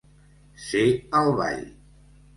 Ser al ball.